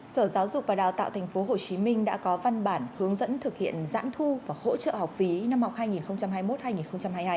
sở giáo dục và đào tạo tp hcm đã có văn bản hướng dẫn thực hiện giãn thu và hỗ trợ học phí năm học hai nghìn hai mươi một hai nghìn hai mươi hai